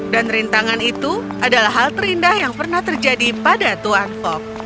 dan rintangan itu adalah hal terindah yang pernah terjadi pada tuan fogg